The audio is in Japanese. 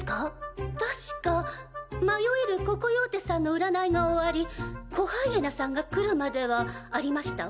確か迷える子コヨーテさんの占いが終わり子ハイエナさんが来るまではありましたわ。